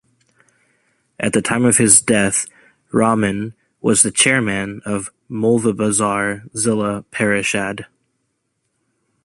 At the time of his death Rahman was the Chairman of Moulvibazar Zila Parishad.